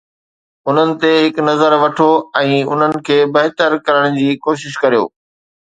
انهن تي هڪ نظر وٺو ۽ انهن کي بهتر ڪرڻ جي ڪوشش ڪريو.